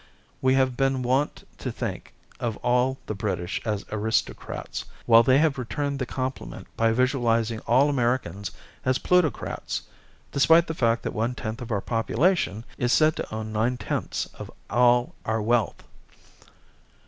We have been wont to think of all the British as aristocrats, while they have returned the compliment by visualizing all Americans as plutocrats despite the fact that one tenth of our population is said to own nine tenths of all our wealth!